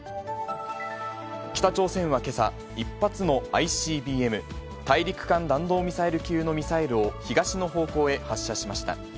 北朝鮮はけさ、１発のＩＣＢＭ・大陸間弾道ミサイル級のミサイルを東の方向へ発射しました。